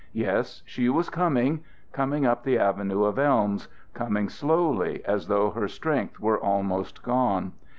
Yes, she was coming coming up the avenue of elms coming slowly, as though her strength were almost gone.